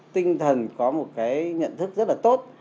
tinh thần có một cái nhận thức rất là tốt